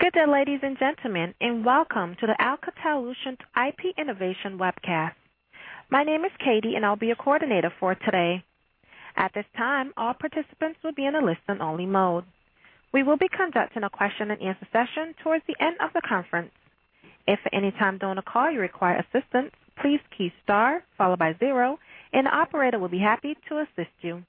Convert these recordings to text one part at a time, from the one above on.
Good day, ladies and gentlemen, and welcome to the Alcatel-Lucent IP Innovation Webcast. My name is Katie, and I'll be your coordinator for today. At this time, all participants will be in a listen-only mode. We will be conducting a question-and-answer session towards the end of the conference. If at any time during the call you require assistance, please key star followed by zero, and an operator will be happy to assist you.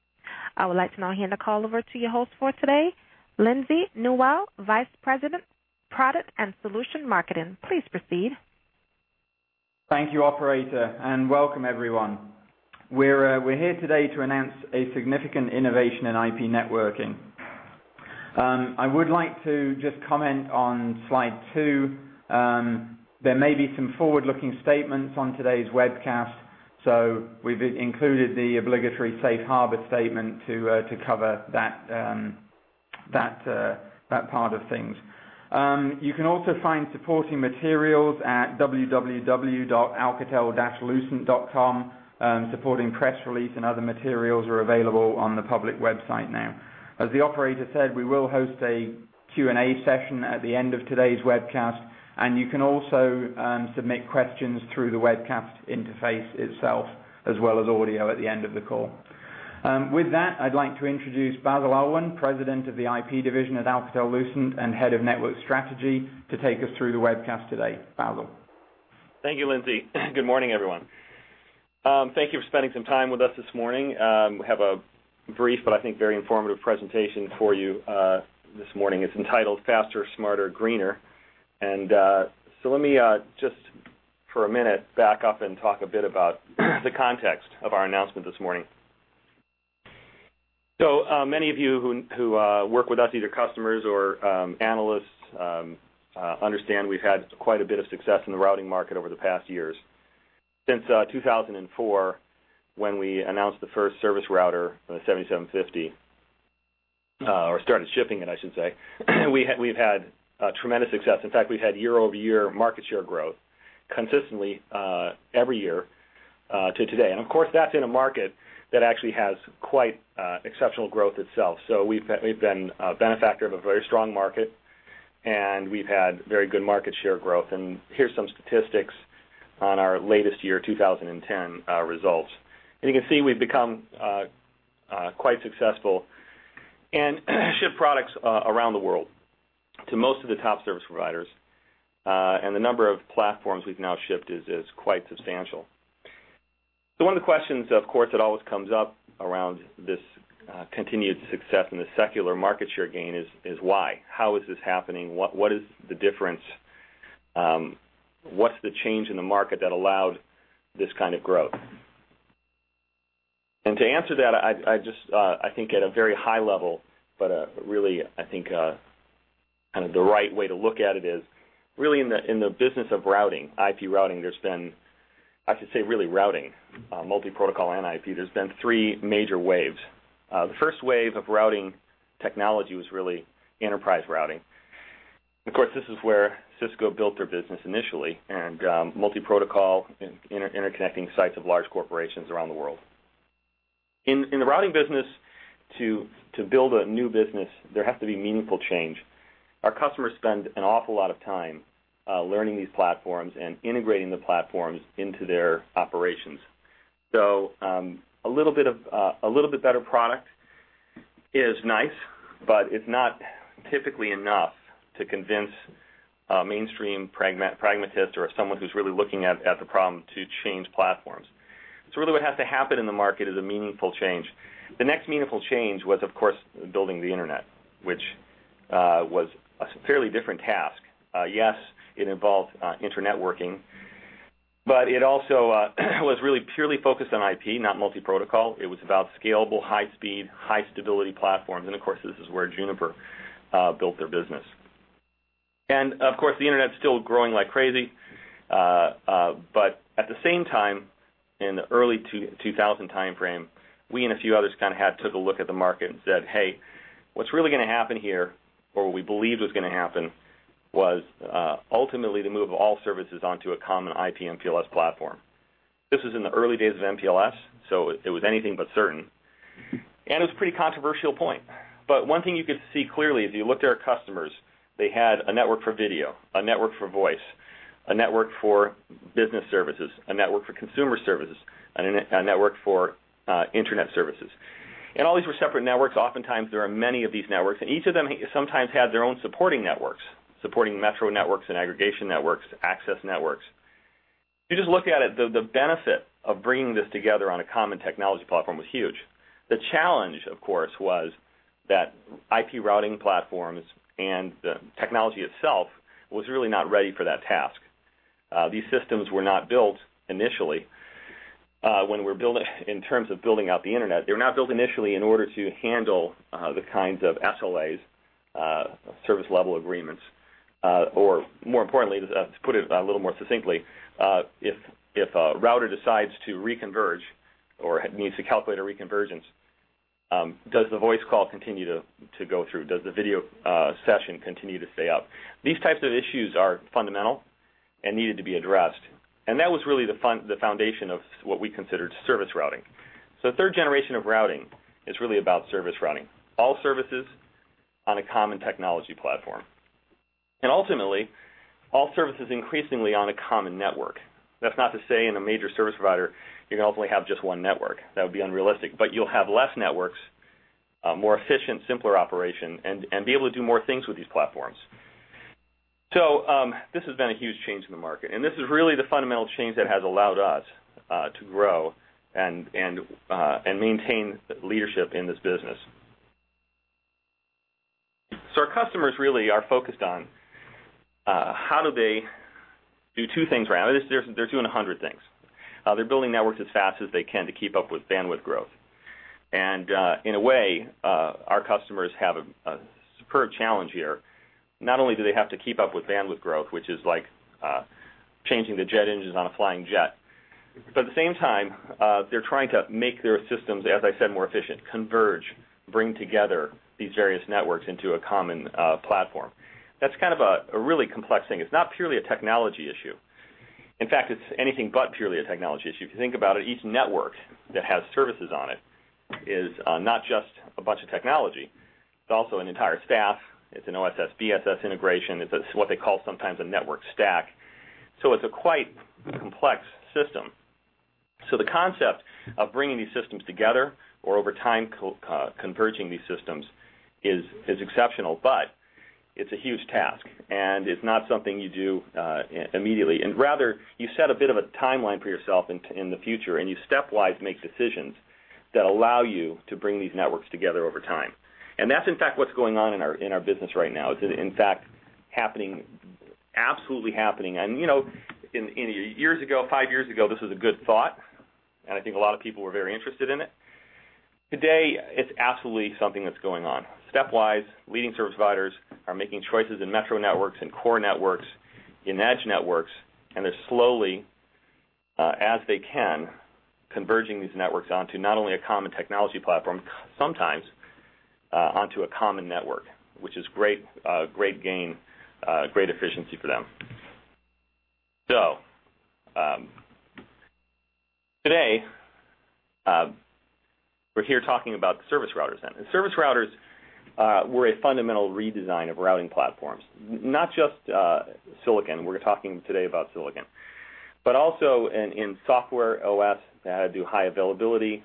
I would like to now hand the call over to your host for today, Lindsay Newell, Vice President, Product and Solution Marketing. Please proceed. Thank you, operator, and welcome, everyone. We're here today to announce a significant innovation in IP networking. I would like to just comment on slide two. There may be some forward-looking statements on today's webcast, so we've included the obligatory safe harbor statement to cover that part of things. You can also find supporting materials at www.alcatel-lucent.com. Supporting press release and other materials are available on the public website now. As the operator said, we will host a Q&A session at the end of today's webcast, and you can also submit questions through the webcast interface itself, as well as audio at the end of the call. With that, I'd like to introduce Basil Alwan, President of the IP Division at Alcatel-Lucent and Head of Network Strategy, to take us through the webcast today. Basil. Thank you, Lindsay. Good morning, everyone. Thank you for spending some time with us this morning. We have a brief, but I think very informative presentation for you this morning. It's entitled "Faster, Smarter, Greener." Let me just, for a minute, back up and talk a bit about the context of our announcement this morning. Many of you who work with us, either customers or analysts, understand we've had quite a bit of success in the routing market over the past years. Since 2004, when we announced the first service router, the 7,750, or started shipping it, I should say, we've had tremendous success. In fact, we've had year-over-year market share growth consistently every year to today. Of course, that's in a market that actually has quite exceptional growth itself. We've been a benefactor of a very strong market, and we've had very good market share growth. Here are some statistics on our latest year 2010 results. You can see we've become quite successful and ship products around the world to most of the top service providers, and the number of platforms we've now shipped is quite substantial. One of the questions, of course, that always comes up around this continued success and this secular market share gain is why? How is this happening? What is the difference? What's the change in the market that allowed this kind of growth? To answer that, I just think at a very high level, but really, I think kind of the right way to look at it is really in the business of routing, IP routing, there's been, I should say really routing, multi-protocol and IP, there's been three major waves. The first wave of routing technology was really enterprise routing. Of course, this is where Cisco built their business initially, and multi-protocol and interconnecting sites of large corporations around the world. In the routing business, to build a new business, there has to be meaningful change. Our customers spend an awful lot of time learning these platforms and integrating the platforms into their operations. A little bit of a little bit better product is nice, but it's not typically enough to convince a mainstream pragmatist or someone who's really looking at the problem to change platforms. What has to happen in the market is a meaningful change. The next meaningful change was, of course, building the internet, which was a fairly different task. Yes, it involved internetworking, but it also was really purely focused on IP, not multi-protocol. It was about scalable, high-speed, high-stability platforms, and of course, this is where Juniper built their business. The internet's still growing like crazy, but at the same time, in the early 2000 timeframe, we and a few others kind of took a look at the market and said, "Hey, what's really going to happen here," or what we believed was going to happen, was ultimately the move of all services onto a common IP/MPLS platform. This was in the early days of MPLS, so it was anything but certain, and it was a pretty controversial point. One thing you could see clearly is you looked at our customers. They had a network for video, a network for voice, a network for business services, a network for consumer services, and a network for internet services. All these were separate networks. Oftentimes, there are many of these networks, and each of them sometimes had their own supporting networks, supporting metro networks and aggregation networks, access networks. If you just look at it, the benefit of bringing this together on a common technology platform was huge. The challenge, of course, was that IP routing platforms and the technology itself was really not ready for that task. These systems were not built initially when we were building, in terms of building out the internet. They were not built initially in order to handle the kinds of SLAs, service level agreements, or more importantly, let's put it a little more succinctly, if a router decides to reconverge or needs to calculate a reconvergence, does the voice call continue to go through? Does the video session continue to stay up? These types of issues are fundamental and needed to be addressed, and that was really the foundation of what we considered service routing. The third generation of routing is really about service routing, all services on a common technology platform. Ultimately, all services increasingly on a common network. That's not to say in a major service provider you can ultimately have just one network. That would be unrealistic, but you'll have less networks, more efficient, simpler operation, and be able to do more things with these platforms. This has been a huge change in the market, and this is really the fundamental change that has allowed us to grow and maintain leadership in this business. Our customers really are focused on how do they do two things right now. They're doing a hundred things. They're building networks as fast as they can to keep up with bandwidth growth. In a way, our customers have a superb challenge here. Not only do they have to keep up with bandwidth growth, which is like changing the jet engines on a flying jet, but at the same time, they're trying to make their systems, as I said, more efficient, converge, bring together these various networks into a common platform. That's kind of a really complex thing. It's not purely a technology issue. In fact, it's anything but purely a technology issue. If you think about it, each network that has services on it is not just a bunch of technology, but also an entire staff. It's an OSS-BSS integration. It's what they call sometimes a network stack. It's a quite complex system. The concept of bringing these systems together or over time converging these systems is exceptional, but it's a huge task, and it's not something you do immediately. Rather, you set a bit of a timeline for yourself in the future, and you stepwise make decisions that allow you to bring these networks together over time. That's, in fact, what's going on in our business right now. It's, in fact, happening, absolutely happening. You know, years ago, five years ago, this was a good thought, and I think a lot of people were very interested in it. Today, it's absolutely something that's going on. Stepwise, leading service providers are making choices in metro networks, in core networks, in edge networks, and they're slowly, as they can, converging these networks onto not only a common technology platform, sometimes onto a common network, which is great gain, great efficiency for them. Today, we're here talking about the service routers then. Service routers were a fundamental redesign of routing platforms, not just silicon. We're talking today about silicon, but also in software, OS, they had to do high availability,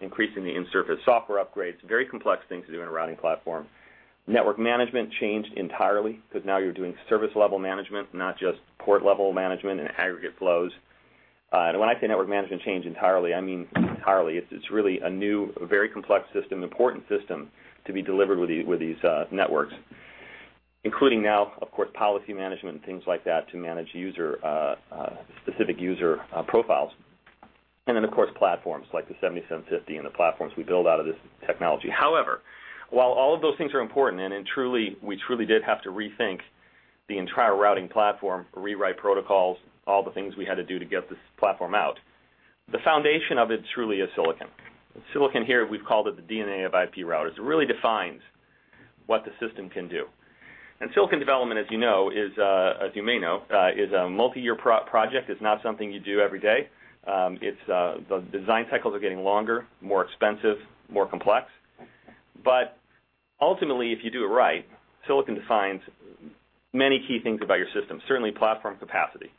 increasing the in-service software upgrades, very complex things to do in a routing platform. Network management changed entirely because now you're doing service level management, not just port level management and aggregate flows. When I say network management changed entirely, I mean entirely. It's really a new, very complex system, important system to be delivered with these networks, including now, of course, policy management and things like that to manage specific user profiles. Of course, platforms like the 7,750, and the platforms we build out of this technology. However, while all of those things are important, and truly, we truly did have to rethink the entire routing platform, rewrite protocols, all the things we had to do to get this platform out, the foundation of it truly is silicon. Silicon here, we've called it the DNA of IP routers. It really defines what the system can do. Silicon development, as you know, is, as you may know, a multi-year project. It's not something you do every day. The design cycles are getting longer, more expensive, more complex. Ultimately, if you do it right, silicon defines many key things about your system, certainly platform capacity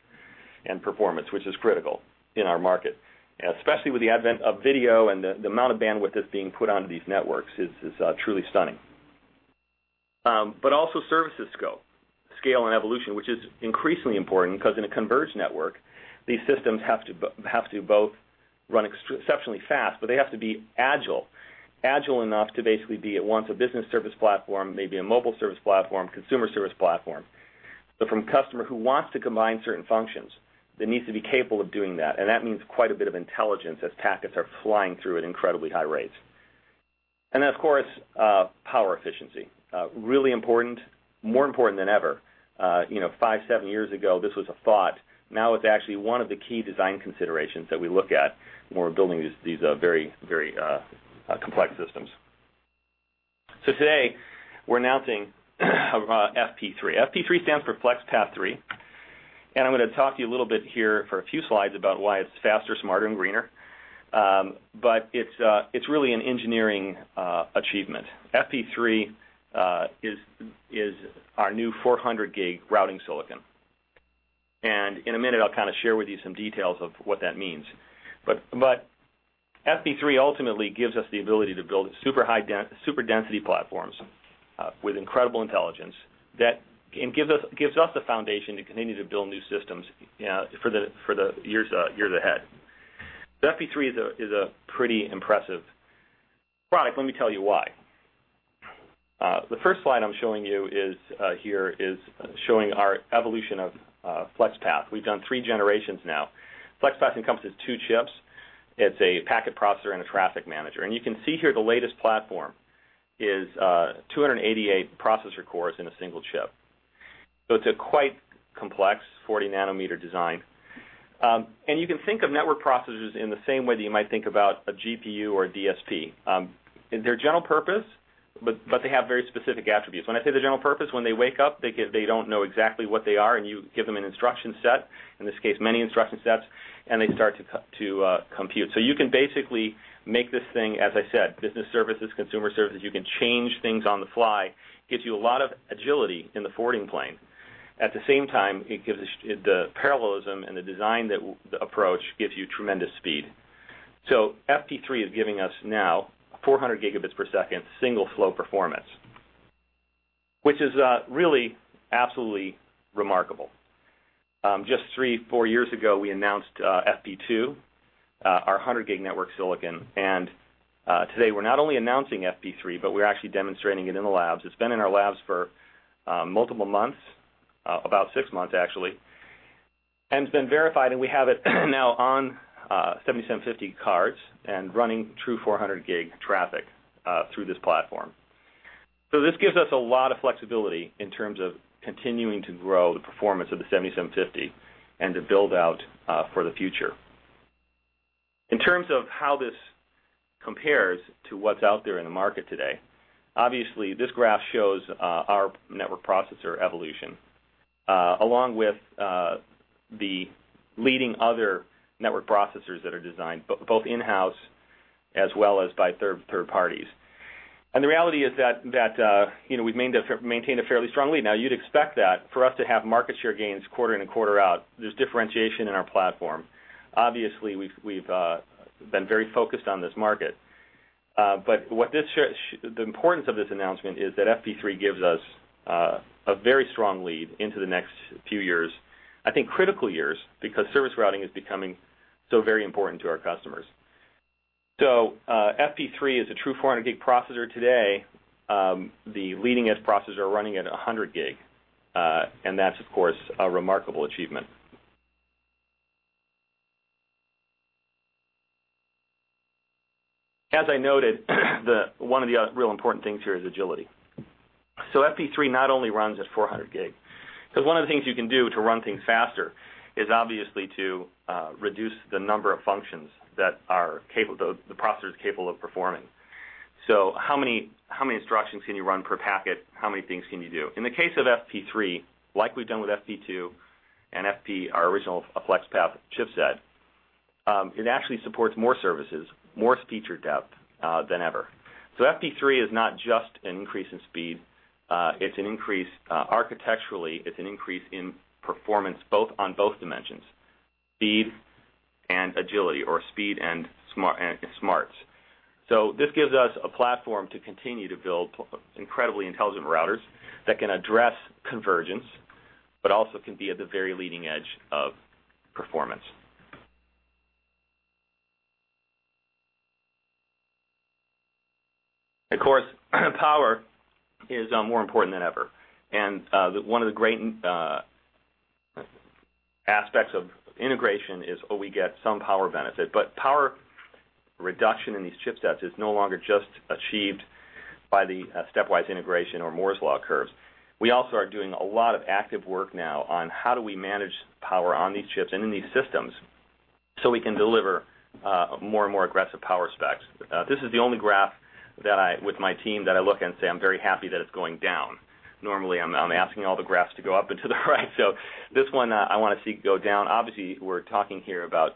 and performance, which is critical in our market, especially with the advent of video and the amount of bandwidth that's being put onto these networks. It's truly stunning. Also, services scale, scale and evolution, which is increasingly important because in a converged network, these systems have to both run exceptionally fast, but they have to be agile, agile enough to basically be at once a business service platform, maybe a mobile service platform, consumer service platform. From a customer who wants to combine certain functions, they need to be capable of doing that. That means quite a bit of intelligence as packets are flying through at incredibly high rates. Of course, power efficiency, really important, more important than ever. Five, seven years ago, this was a thought. Now it's actually one of the key design considerations that we look at when we're building these very, very complex systems. Today, we're announcing FP3. FP3 stands for FlexPath 3, and I'm going to talk to you a little bit here for a few slides about why it's faster, smarter, and greener. It's really an engineering achievement. FP3 is our new 400 Gb routing silicon. In a minute, I'll kind of share with you some details of what that means. FP3 ultimately gives us the ability to build super density platforms with incredible intelligence that gives us the foundation to continue to build new systems for the years ahead. FP3 is a pretty impressive product. Let me tell you why. The first slide I'm showing you here is showing our evolution of FlexPath. We've done three generations now. FlexPath encompasses two chips. It's a packet processor and a traffic manager. You can see here the latest platform is 288 processor cores in a single chip. It's a quite complex 40 nm design. You can think of network processors in the same way that you might think about a GPU or a DSP. They're general purpose, but they have very specific attributes. When I say the general purpose, when they wake up, they don't know exactly what they are, and you give them an instruction set, in this case, many instruction sets, and they start to compute. You can basically make this thing, as I said, business services, consumer services. You can change things on the fly. It gives you a lot of agility in the forwarding plane. At the same time, the parallelism and the design approach give you tremendous speed. FP3 is giving us now 400 Gb per second single flow performance, which is really absolutely remarkable. Just three, four years ago, we announced FP2, our 100 Gb network silicon. Today, we're not only announcing FP3, but we're actually demonstrating it in the labs. It's been in our labs for multiple months, about six months actually, and it's been verified, and we have it now on 7,750 cards and running true 400 Gb traffic through this platform. This gives us a lot of flexibility in terms of continuing to grow the performance of the 7,750, and to build out for the future. In terms of how this compares to what's out there in the market today, this graph shows our network processor evolution, along with the leading other network processors that are designed both in-house as well as by third parties. The reality is that we've maintained a fairly strong lead. You'd expect that for us to have market share gains quarter in and quarter out, there's differentiation in our platform. We've been very focused on this market. The importance of this announcement is that FP3 gives us a very strong lead into the next few years, I think critical years, because service routing is becoming so very important to our customers. FP3 is a true 400 Gb processor today, the leading edge processor running at 100 Gb, and that's, of course, a remarkable achievement. As I noted, one of the real important things here is agility. FP3 not only runs at 400 Gb, because one of the things you can do to run things faster is obviously to reduce the number of functions that the processor is capable of performing. How many instructions can you run per packet? How many things can you do? In the case of FP3, like we've done with FP2 and FP, our original FlexPath chipset, it actually supports more services, more feature depth than ever. FP3 is not just an increase in speed. It's an increase architecturally. It's an increase in performance on both dimensions, speed and agility, or speed and smarts. This gives us a platform to continue to build incredibly intelligent routers that can address convergence, but also can be at the very leading edge of performance. Power is more important than ever. One of the great aspects of integration is, oh, we get some power benefit, but power reduction in these chipsets is no longer just achieved by the stepwise integration or Moore's Law curves. We also are doing a lot of active work now on how do we manage power on these chips and in these systems so we can deliver more and more aggressive power specs. This is the only graph that I, with my team, look at and say I'm very happy that it's going down. Normally, I'm asking all the graphs to go up and to the right. This one I want to see go down. We're talking here about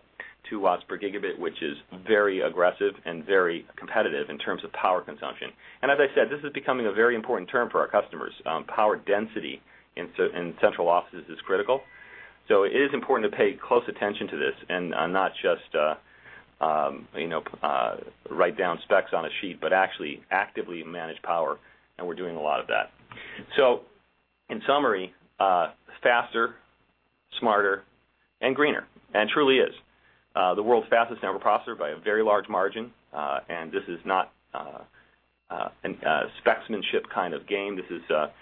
2 W/Gb, which is very aggressive and very competitive in terms of power consumption. As I said, this is becoming a very important term for our customers. Power density in central offices is critical. It is important to pay close attention to this and not just write down specs on a sheet, but actually actively manage power. We're doing a lot of that. In summary, faster, smarter, and greener, and truly is. The world's fastest network processor by a very large margin. This is not a specsmanship kind of game. This is a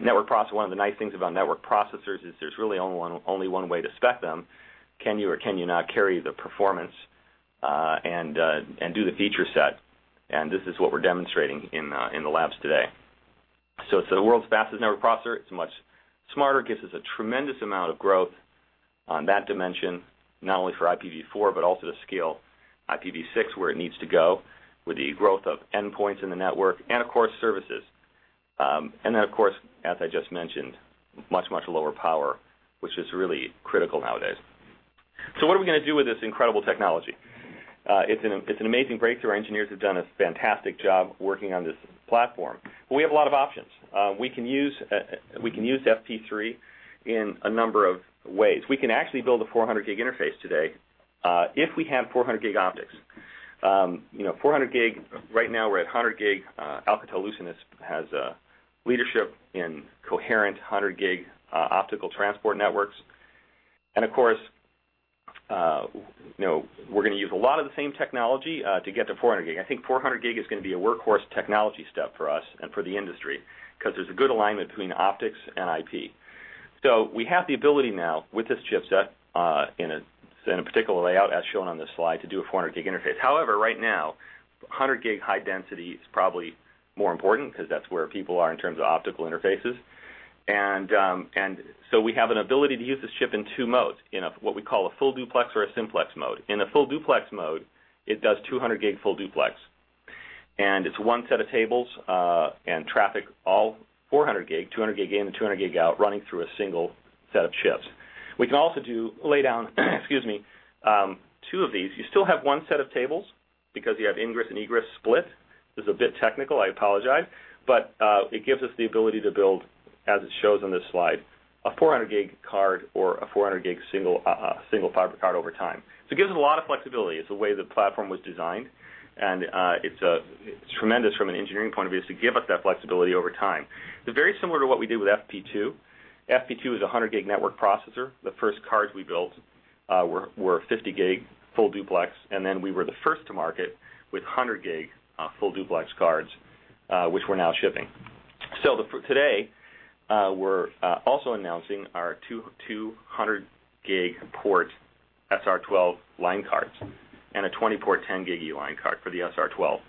network processor. One of the nice things about network processors is there's really only one way to spec them. Can you or can you not carry the performance and do the feature set? This is what we're demonstrating in the labs today. It's the world's fastest network processor. It's much smarter, gives us a tremendous amount of growth on that dimension, not only for IPv4, but also to scale IPv6 where it needs to go with the growth of endpoints in the network and, of course, services. Of course, as I just mentioned, much, much lower power, which is really critical nowadays. What are we going to do with this incredible technology? It's an amazing breakthrough. Our engineers have done a fantastic job working on this platform. We have a lot of options. We can use FP3 in a number of ways. We can actually build a 400 Gb interface today if we have 400 Gb optics. 400 right now we're at 100 Gb. Alcatel-Lucent has leadership in coherent 100 Gb optical transport networks. We're going to use a lot of the same technology to get to 400 Gb. I think 400 Gb is going to be a workhorse technology step for us and for the industry because there's a good alignment between optics and IP. We have the ability now with this chipset in a particular layout, as shown on this slide, to do a 400 Gb interface. However, right now, 100 Gb high density is probably more important because that's where people are in terms of optical interfaces. We have an ability to use this chip in two modes, in what we call a full duplex or a simplex mode. In a full duplex mode, it does 200 Gb full duplex. It's one set of tables and traffic all 400 Gb, 200 Gb in and 200 Gb out, running through a single set of chips. We can also lay down two of these. You still have one set of tables because you have ingress and egress split. This is a bit technical, I apologize. It gives us the ability to build, as it shows on this slide, a 400 Gb card or a 400 fiber card over time. It gives us a lot of flexibility. It's the way the platform was designed. It's tremendous from an engineering point of view to give it that flexibility over time. It's very similar to what we did with FP2. FP2 is a 100 Gb network processor. The first cards we built were 50 Gb full duplex. We were the first to market with 100 Gb full duplex cards, which we're now shipping. Today, we're also announcing our 200 Gb port SR12 line cards and a 20 port 10 Gb E.U. line card for the SR12,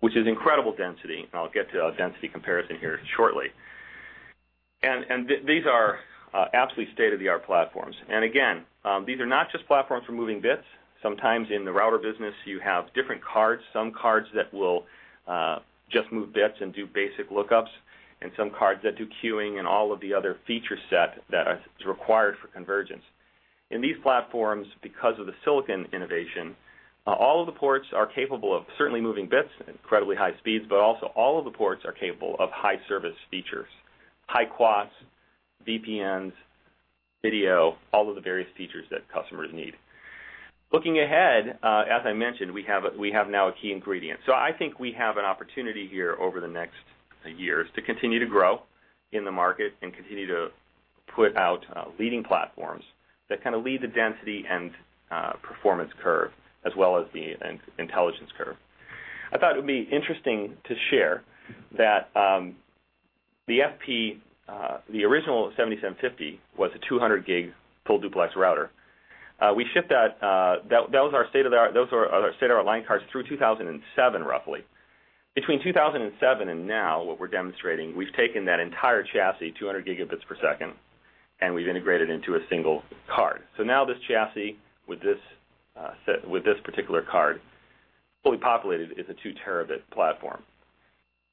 which is incredible density. I'll get to a density comparison here shortly. These are absolutely state-of-the-art platforms. These are not just platforms for moving bits. Sometimes in the router business, you have different cards, some cards that will just move bits and do basic lookups, and some cards that do queuing and all of the other feature set that is required for convergence. In these platforms, because of the silicon innovation, all of the ports are capable of certainly moving bits at incredibly high speeds, but also all of the ports are capable of high service features, high QoS, VPNs, video, all of the various features that customers need. Looking ahead, as I mentioned, we have now a key ingredient. I think we have an opportunity here over the next years to continue to grow in the market and continue to put out leading platforms that kind of lead the density and performance curve, as well as the intelligence curve. I thought it would be interesting to share that the original 7,750, which was a 200 Gb full duplex router, we shipped out. Those are our state-of-the-art line cards through 2007, roughly. Between 2007 and now, what we're demonstrating, we've taken that entire chassis, 200 Gb per second, and we've integrated into a single card. Now this chassis with this particular card, fully populated, is a two terabit platform.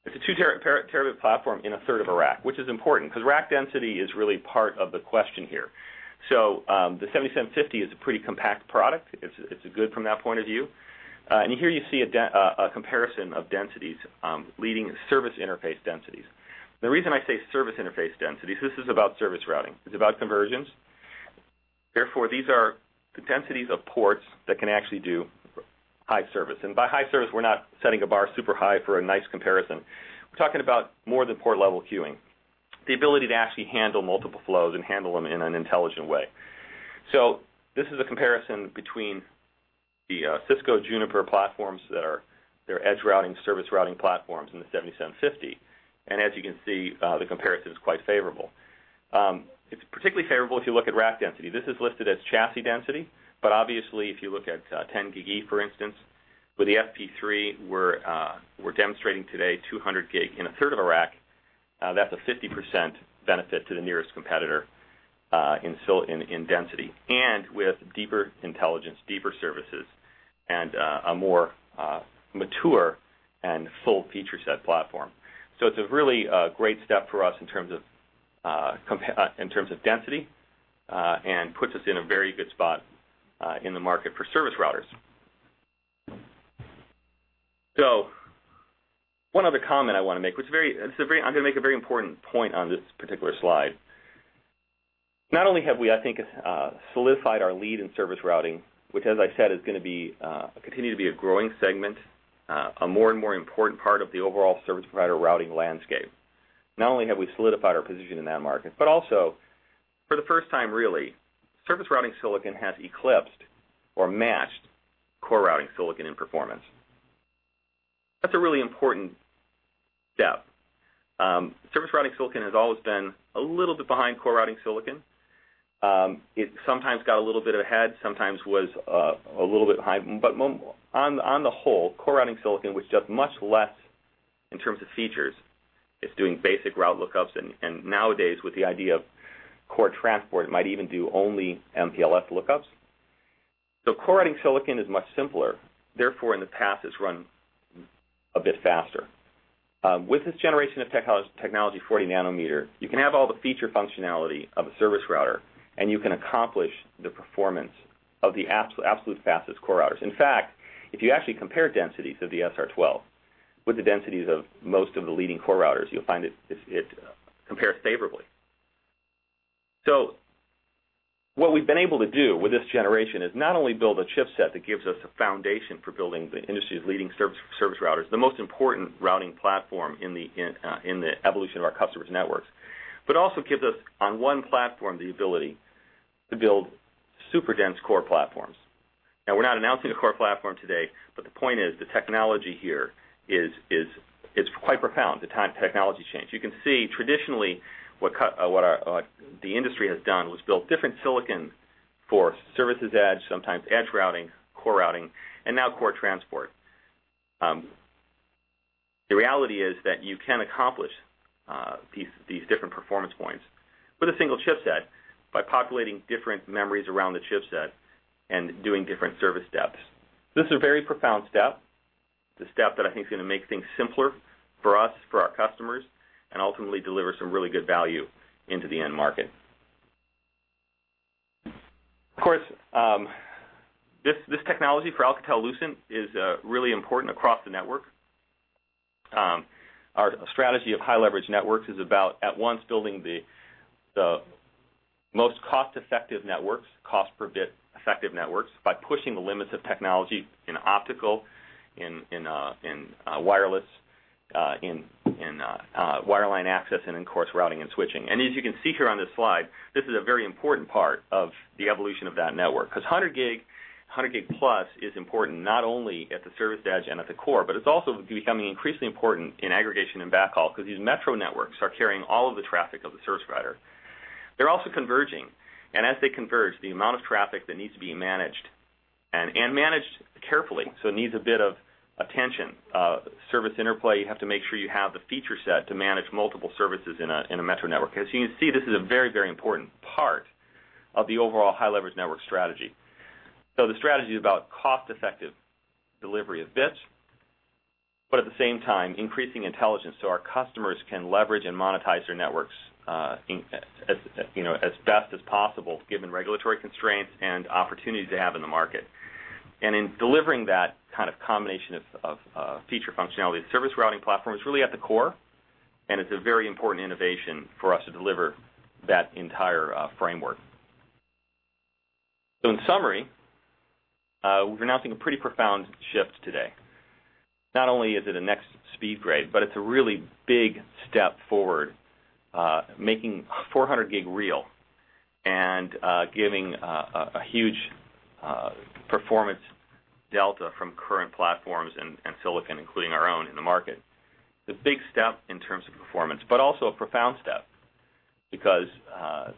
It's a two terabit platform in a third of a rack, which is important because rack density is really part of the question here. The 7,750, which is a pretty compact product, it's good from that point of view. Here you see a comparison of densities, leading service interface densities. The reason I say service interface densities, this is about service routing. It's about convergence. Therefore, these are the densities of ports that can actually do high service. By high service, we're not setting a bar super high for a nice comparison. We're talking about more than port level queuing, the ability to actually handle multiple flows and handle them in an intelligent way. This is a comparison between the Cisco, Juniper platforms that are their edge routing, service routing platforms and the 7,750. As you can see, the comparison is quite favorable. It's particularly favorable if you look at rack density. This is listed as chassis density, but obviously, if you look at 10 Gb, for instance, with the FP3, we're demonstrating today 200 Gb in a third of a rack. That's a 50% benefit to the nearest competitor in density and with deeper intelligence, deeper services, and a more mature and full feature set platform. It's a really great step for us in terms of density and puts us in a very good spot in the market for service routers. One other comment I want to make, which is very, I'm going to make a very important point on this particular slide. Not only have we, I think, solidified our lead in service routing, which, as I said, is going to continue to be a growing segment, a more and more important part of the overall service provider routing landscape. Not only have we solidified our position in that market, but also, for the first time, really, service routing silicon has eclipsed or matched core routing silicon in performance. That's a really important step. Service routing silicon has always been a little bit behind core routing silicon. It sometimes got a little bit ahead, sometimes was a little bit behind. On the whole, core routing silicon, which does much less in terms of features, is doing basic route lookups. Nowadays, with the idea of core transport, it might even do only MPLS lookups. Core routing silicon is much simpler. Therefore, in the past, it's run a bit faster. With this generation of technology, 40 nm, you can have all the feature functionality of a service router, and you can accomplish the performance of the absolute fastest core routers. In fact, if you actually compare densities of the SR12 with the densities of most of the leading core routers, you'll find it compares favorably. What we've been able to do with this generation is not only build a chipset that gives us a foundation for building the industry's leading service routers, the most important routing platform in the evolution of our customers' networks, but also gives us, on one platform, the ability to build super dense core platforms. We're not announcing a core platform today, but the point is the technology here is quite profound. The time to technology change. You can see traditionally what the industry has done was build different silicon for services edge, sometimes edge routing, core routing, and now core transport. The reality is that you can accomplish these different performance points with a single chipset by populating different memories around the chipset and doing different service steps. This is a very profound step, the step that I think is going to make things simpler for us, for our customers, and ultimately deliver some really good value into the end market. Of course, this technology for Alcatel-Lucent is really important across the network. Our strategy of high leverage networks is about at once building the most cost-effective networks, cost-per-bit effective networks, by pushing the limits of technology in optical, in wireless, in wireline access, and in, of course, routing and switching. As you can see here on this slide, this is a very important part of the evolution of that network because 100+ Gb us is important not only at the service edge and at the core, but it's also becoming increasingly important in aggregation and backhaul because these metro networks are carrying all of the traffic of the service provider. They're also converging. As they converge, the amount of traffic that needs to be managed, and managed carefully, so it needs a bit of attention, service interplay, you have to make sure you have the feature set to manage multiple services in a metro network. As you can see, this is a very, very important part of the overall high leverage network strategy. The strategy is about cost-effective delivery of bits, but at the same time, increasing intelligence so our customers can leverage and monetize their networks as best as possible, given regulatory constraints and opportunities they have in the market. In delivering that kind of combination of feature functionality, the service routing platform is really at the core, and it's a very important innovation for us to deliver that entire framework. In summary, we're announcing a pretty profound shift today. Not only is it a next speed grade, but it's a really big step forward, making 400 Gb real and giving a huge performance delta from current platforms and silicon, including our own, in the market. It's a big step in terms of performance, but also a profound step because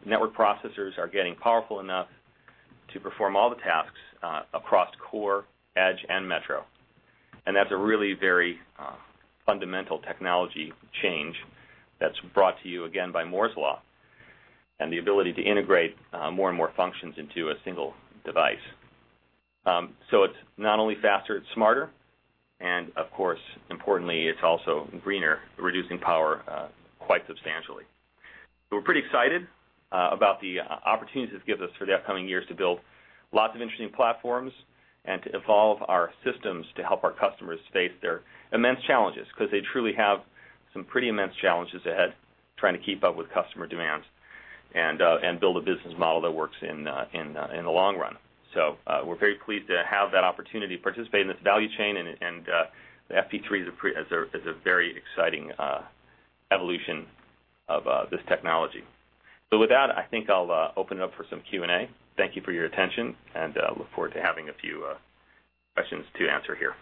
network processors are getting powerful enough to perform all the tasks across core, edge, and metro. That's a really very fundamental technology change that's brought to you again by Moore's Law and the ability to integrate more and more functions into a single device. It's not only faster, it's smarter, and of course, importantly, it's also greener, reducing power quite substantially. We're pretty excited about the opportunities it gives us for the upcoming years to build lots of interesting platforms and to evolve our systems to help our customers face their immense challenges because they truly have some pretty immense challenges ahead, trying to keep up with customer demands and build a business model that works in the long run. We're very pleased to have that opportunity to participate in this value chain, and the FP3 is a very exciting evolution of this technology. With that, I think I'll open it up for some Q&A. Thank you for your attention, and I look forward to having a few questions to answer here.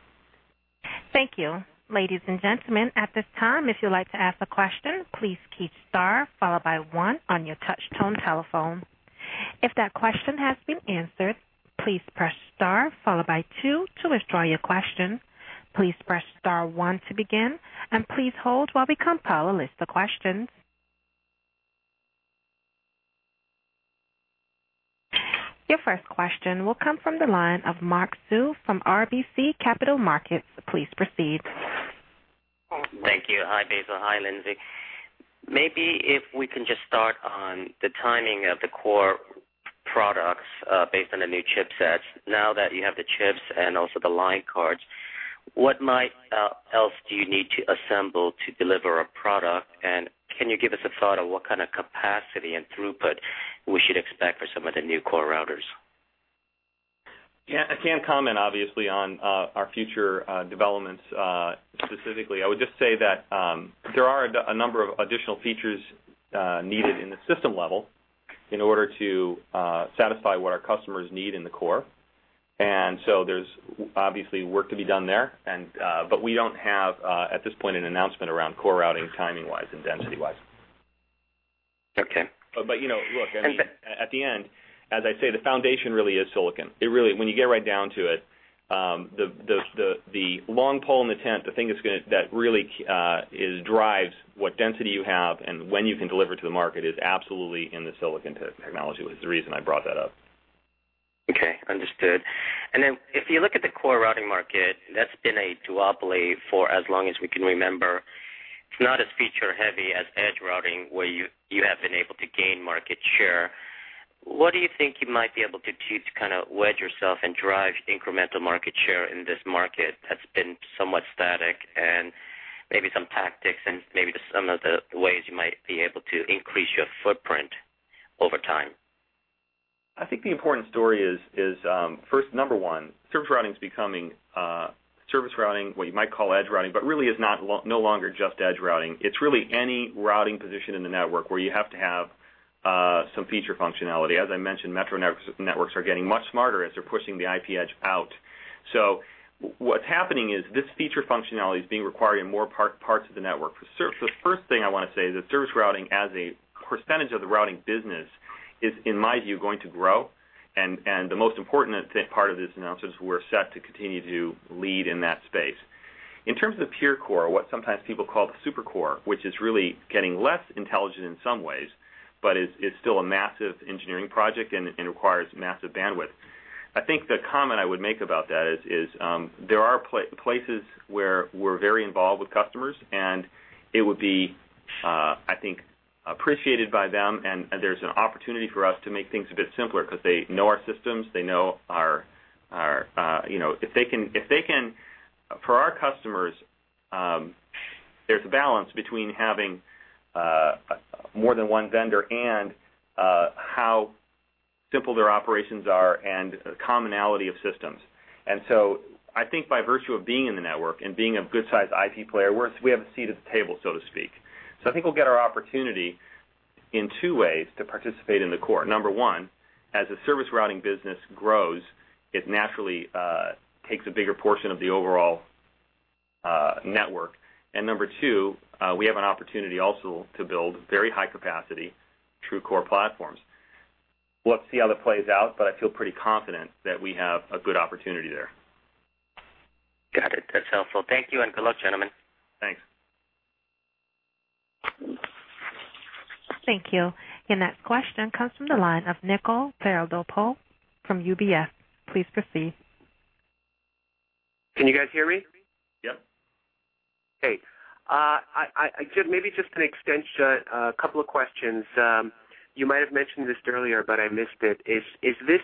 Thank you, ladies and gentlemen. At this time, if you'd like to ask a question, please key star followed by one on your touch-tone telephone. If that question has been answered, please press star followed by two to withdraw your question. Please press star one to begin, and please hold while we compile a list of questions. Your first question will come from the line of Mark Sue from RBC Capital Markets. Please proceed. Thank you. Hi, Basil. Hi, Lindsay. Maybe if we can just start on the timing of the core products based on the new chipsets. Now that you have the chips and also the line cards, what might else do you need to assemble to deliver a product? Can you give us a thought on what kind of capacity and throughput we should expect for some of the new core routers? Yeah, I can't comment, obviously, on our future developments specifically. I would just say that there are a number of additional features needed at the system level in order to satisfy what our customers need in the core. There is obviously work to be done there, but we don't have at this point an announcement around core routing timing-wise and density-wise. Okay. You know, look, at the end, as I say, the foundation really is silicon. It really, when you get right down to it, the long pole in the tent, the thing that really drives what density you have and when you can deliver to the market is absolutely in the silicon technology, which is the reason I brought that up. Okay, understood. If you look at the core routing market, that's been a duopoly for as long as we can remember. It's not as feature heavy as edge routing, where you have been able to gain market share. What do you think you might be able to do to kind of wedge yourself and drive incremental market share in this market that's been somewhat static? Maybe some tactics and maybe some of the ways you might be able to increase your footprint over time? I think the important story is, first, number one, service routing is becoming service routing, what you might call edge routing, but really is no longer just edge routing. It's really any routing position in the network where you have to have some feature functionality. As I mentioned, metro networks are getting much smarter as they're pushing the IP edge out. What's happening is this feature functionality is being required in more parts of the network. The first thing I want to say is that service routing, as a percentage of the routing business, is, in my view, going to grow. The most important part of this announcement is we're set to continue to lead in that space. In terms of the pure core, what sometimes people call the super core, which is really getting less intelligent in some ways, it's still a massive engineering project and requires massive bandwidth. The comment I would make about that is there are places where we're very involved with customers, and it would be, I think, appreciated by them. There's an opportunity for us to make things a bit simpler because they know our systems. They know our... If they can, for our customers, there's a balance between having more than one vendor and how simple their operations are and the commonality of systems. I think by virtue of being in the network and being a good size IP player, we have a seat at the table, so to speak. I think we'll get our opportunity in two ways to participate in the core. Number one, as a service routing business grows, it naturally takes a bigger portion of the overall network. Number two, we have an opportunity also to build very high capacity true core platforms. Let's see how that plays out, but I feel pretty confident that we have a good opportunity there. Got it. That's helpful. Thank you and good luck, gentlemen. Thanks. Thank you. Your next question comes from the line of Nikhil Perodolpo from UBS. Please proceed. Can you guys hear me? Yep. I did maybe just an extension, a couple of questions. You might have mentioned this earlier, but I missed it. Is this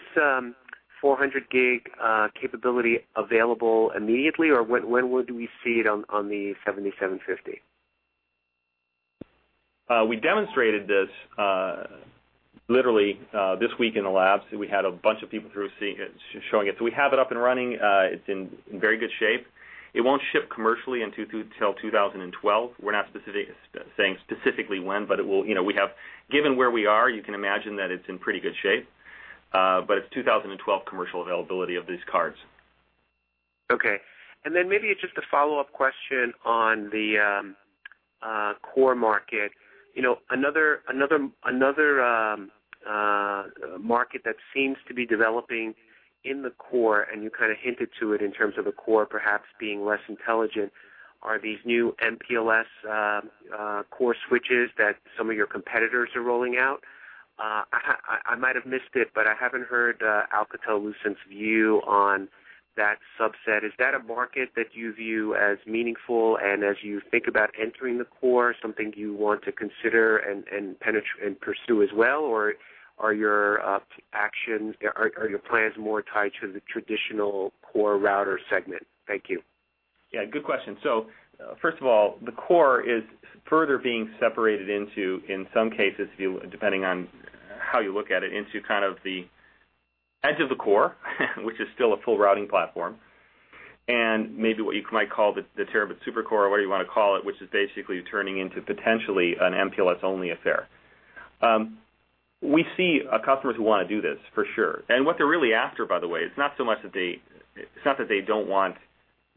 400 Gb capability available immediately, or when would we see it on the 7,750? We demonstrated this literally this week in the labs. We had a bunch of people through showing it. We have it up and running, and it's in very good shape. It won't ship commercially until 2012. We're not saying specifically when, but given where we are, you can imagine that it's in pretty good shape. It's 2012 commercial availability of these cards. Okay. Maybe just a follow-up question on the core market. You know, another market that seems to be developing in the core, and you kind of hinted to it in terms of the core perhaps being less intelligent, are these new MPLS core switches that some of your competitors are rolling out? I might have missed it, but I haven't heard Alcatel-Lucent's view on that subset. Is that a market that you view as meaningful and as you think about entering the core? Something you want to consider and pursue as well, or are your actions, are your plans more tied to the traditional core router segment? Thank you. Yeah, good question. First of all, the core is further being separated into, in some cases, depending on how you look at it, into kind of the edge of the core, which is still a full routing platform. Maybe what you might call the terabit super core, whatever you want to call it, which is basically turning into potentially an MPLS-only affair. We see customers who want to do this for sure. What they're really after, by the way, it's not so much that they, it's not that they don't want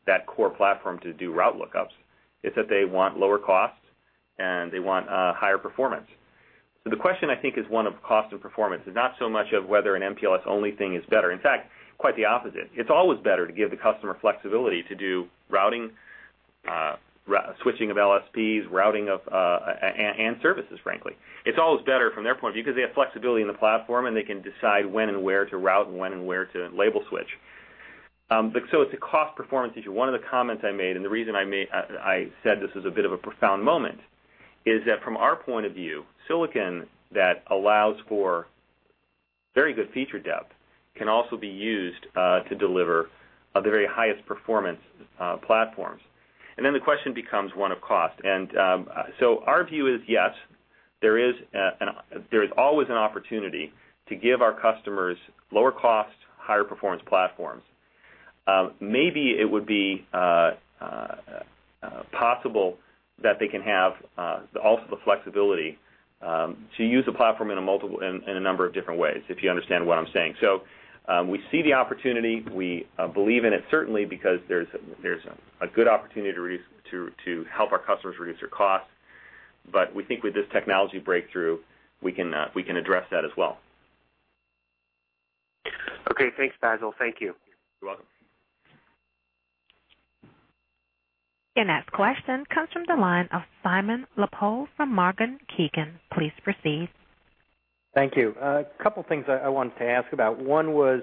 that core platform to do route lookups. It's that they want lower cost and they want higher performance. The question, I think, is one of cost and performance. It's not so much of whether an MPLS-only thing is better. In fact, quite the opposite. It's always better to give the customer flexibility to do routing, switching of LSPs, routing of, and services, frankly. It's always better from their point of view because they have flexibility in the platform and they can decide when and where to route and when and where to label switch. It's a cost-performance issue. One of the comments I made, and the reason I said this was a bit of a profound moment, is that from our point of view, silicon that allows for very good feature depth can also be used to deliver the very highest performance platforms. The question becomes one of cost. Our view is yes, there is always an opportunity to give our customers lower cost, higher performance platforms. Maybe it would be possible that they can have also the flexibility to use a platform in a number of different ways, if you understand what I'm saying. We see the opportunity. We believe in it certainly because there's a good opportunity to help our customers reduce their costs. We think with this technology breakthrough, we can address that as well. Okay, thanks, Basil. Thank you. You're welcome. Your next question comes from the line of Simon Leopold from Morgan Keegan. Please proceed. Thank you. A couple of things I wanted to ask about. One was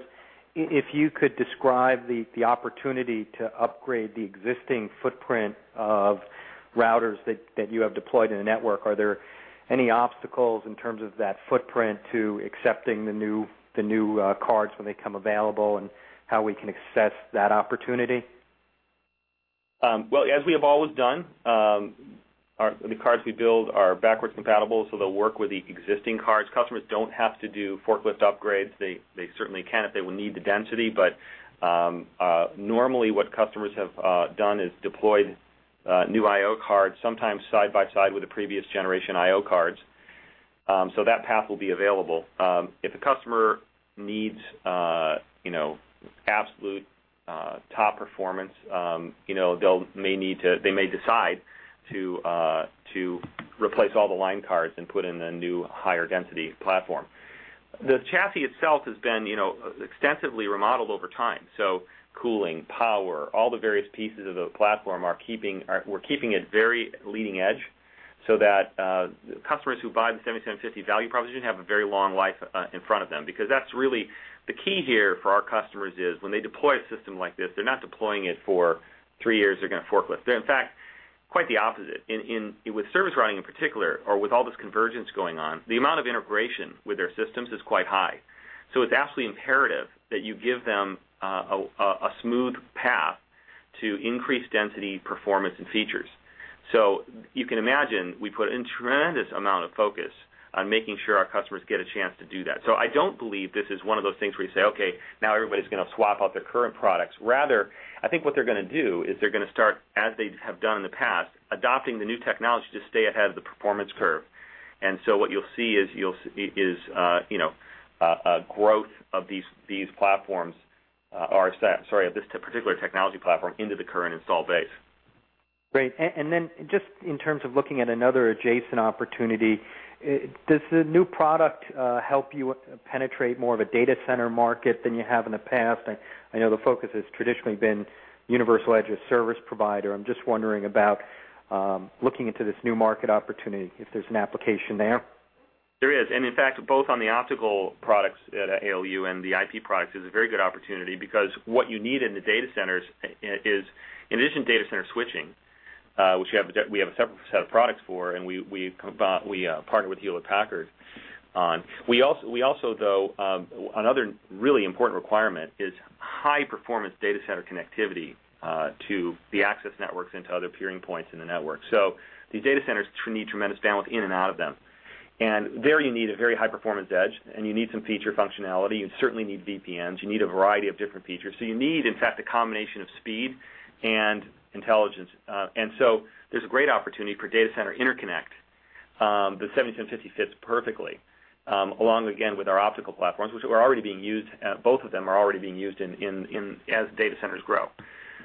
if you could describe the opportunity to upgrade the existing footprint of routers that you have deployed in the network. Are there any obstacles in terms of that footprint to accepting the new cards when they come available, and how we can access that opportunity? As we have always done, the cards we build are backwards compatible, so they'll work with the existing cards. Customers don't have to do forklift upgrades. They certainly can if they need the density. Normally, what customers have done is deployed new I/O cards, sometimes side by side with the previous generation I/O cards. That path will be available. If a customer needs absolute top performance, they may decide to replace all the line cards and put in a new higher density platform. The chassis itself has been extensively remodeled over time. Cooling, power, all the various pieces of the platform are keeping, we're keeping it very leading edge so that customers who buy the 7,750 value proposition have a very long life in front of them. That's really the key here for our customers. When they deploy a system like this, they're not deploying it for three years, they're going to forklift. In fact, quite the opposite. With service routing in particular, or with all this convergence going on, the amount of integration with their systems is quite high. It's absolutely imperative that you give them a smooth path to increase density, performance, and features. You can imagine we put a tremendous amount of focus on making sure our customers get a chance to do that. I don't believe this is one of those things where you say, okay, now everybody's going to swap out their current products. Rather, I think what they're going to do is they're going to start, as they have done in the past, adopting the new technology to stay ahead of the performance curve. What you'll see is a growth of these platforms, sorry, of this particular technology platform into the current installed base. Great. In terms of looking at another adjacent opportunity, does the new product help you penetrate more of a data center market than you have in the past? I know the focus has traditionally been universal edge of service provider. I'm just wondering about looking into this new market opportunity, if there's an application there. There is. In fact, both on the optical products at Alcatel-Lucent and the IP products, there's a very good opportunity because what you need in the data centers is, in addition to data center switching, which we have a separate set of products for, and we partner with Hewlett-Packard on, another really important requirement is high-performance data center connectivity to the access networks and to other peering points in the network. These data centers need tremendous bandwidth in and out of them. There you need a very high-performance edge, and you need some feature functionality. You certainly need VPNs. You need a variety of different features. You need, in fact, a combination of speed and intelligence. There's a great opportunity for data center interconnect. The 7,750 Service Router fits perfectly, along again with our optical platforms, which are already being used. Both of them are already being used as data centers grow.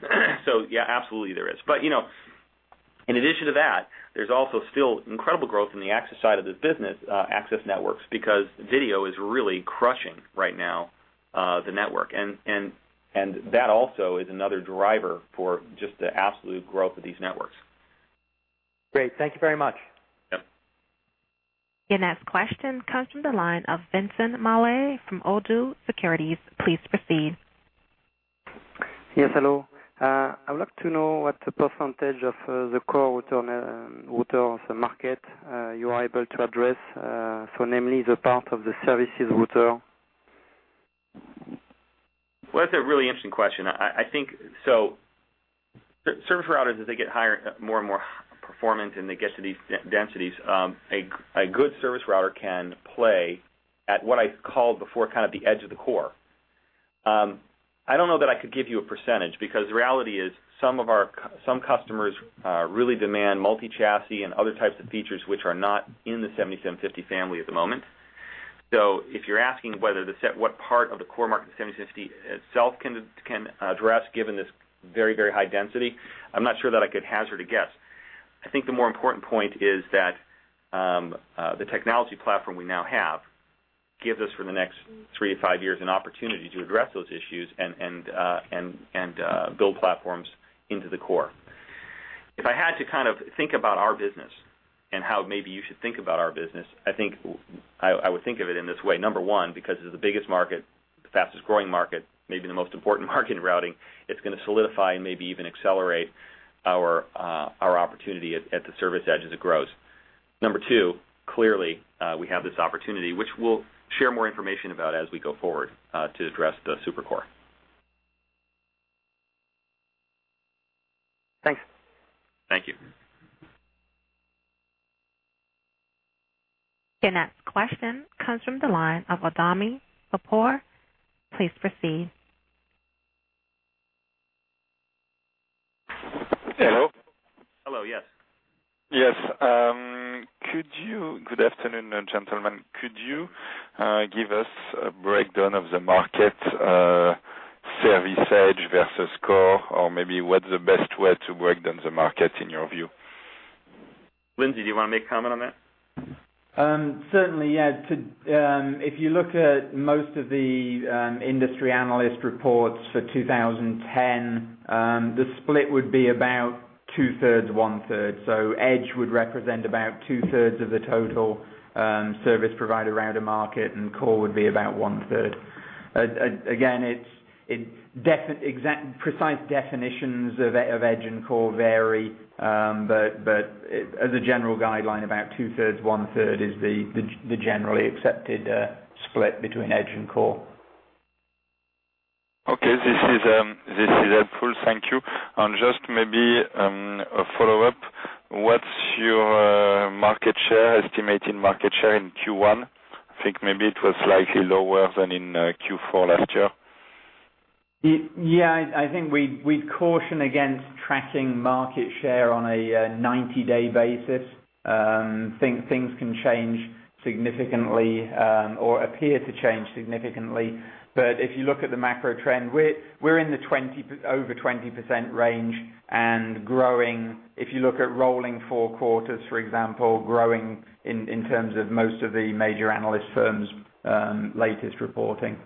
Absolutely, there is. In addition to that, there's also still incredible growth in the access side of this business, access networks, because video is really crushing right now the network. That also is another driver for just the absolute growth of these networks. Great, thank you very much. Yeah. Your next question comes from the line of Vincent Maulay from Oddo Securities. Please proceed. Yes, hello. I would like to know what the percentage of the core routers market you are able to address, so namely the part of the service router. That's a really interesting question. I think service routers, as they get higher, more and more performant, and they get to these densities, a good service router can play at what I called before kind of the edge of the core. I don't know that I could give you a percentage because the reality is some of our customers really demand multi-chassis and other types of features which are not in the 7,750 family at the moment. If you're asking whether the set what part of the core market 7,750 itself can address, given this very, very high density, I'm not sure that I could hazard a guess. I think the more important point is that the technology platform we now have gives us, for the next three to five years, an opportunity to address those issues and build platforms into the core. If I had to kind of think about our business and how maybe you should think about our business, I think I would think of it in this way. Number one, because it's the biggest market, the fastest growing market, maybe the most important market in routing, it's going to solidify and maybe even accelerate our opportunity at the service edge as it grows. Number two, clearly, we have this opportunity, which we'll share more information about as we go forward to address the super core. Thanks. Thank you. Your next question comes from the line of [Adami Opor]. Please proceed. Hello. Hello, yes. Yes. Good afternoon, gentlemen. Could you give us a breakdown of the market service edge versus core, or maybe what's the best way to break down the market in your view? Lindsay, do you want to make a comment on that? Certainly, yeah. If you look at most of the industry analyst reports for 2010, the split would be about 2/3, 1/3. Edge would represent about 2/3 of the total service provider router market, and core would be about 1/3. Again, precise definitions of edge and core vary, but as a general guideline, about 2/3, 1/3 is the generally accepted split between edge and core. Okay. This is helpful. Thank you. Just maybe a follow-up. What's your market share, estimated market share in Q1? I think maybe it was slightly lower than in Q4 last year. I think we'd caution against tracking market share on a 90-day basis. Things can change significantly or appear to change significantly. If you look at the macro trend, we're in the over 20% range and growing. If you look at rolling four quarters, for example, growing in terms of most of the major analyst firms' latest reporting.